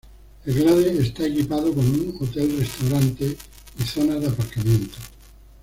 El Glade está equipado con un hotel, restaurante y zonas de aparcamiento.